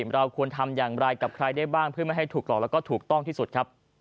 เราควรทำอย่างไรกับใครได้บ้างเพื่อไม่ให้ถูกหลอกแล้วก็ถูกต้องที่สุดครับ